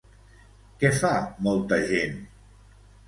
Què fa molta gent?